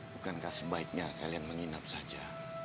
bukankah sebaiknya kalian menginap saja